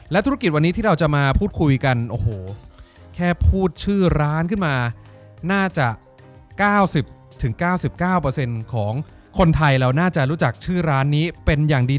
ธุรกิจวันนี้ที่เราจะมาพูดคุยกันโอ้โหแค่พูดชื่อร้านขึ้นมาน่าจะ๙๐๙๙ของคนไทยเราน่าจะรู้จักชื่อร้านนี้เป็นอย่างดี